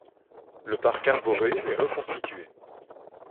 Le parc arboré est reconstitué.